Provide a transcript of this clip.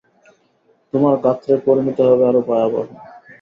তোমার গোত্রের পরিণতি হবে আরো ভয়াবহ।